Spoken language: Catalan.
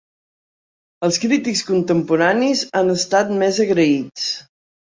Els crítics contemporanis han estat més agraïts.